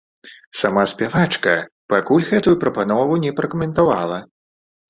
Сама спявачка пакуль гэтую прапанову не пракаментавала.